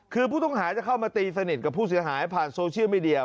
คือผู้ต้องหาจะเข้ามาตีสนิทกับผู้เสียหายผ่านโซเชียลมีเดีย